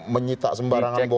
menyita sembarangan boleh